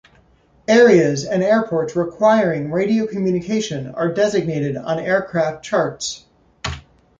Areas and airports requiring radio communication are designated on aircraft charts.